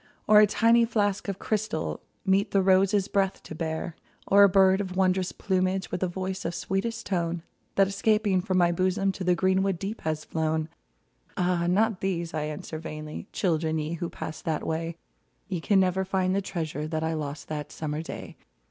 44 WHAT I LOST Or a tiny flask of crystal Meet the rose's breath to bear ; Or a bird of wondrous plumage, With a voice of sweetest tone, That, escaping from my bosom, To the greenwood deep has flown. Ah ! not these, I answer vainly ; Children, ye who passed that way, Ye can never find the treasure That I lost that summer day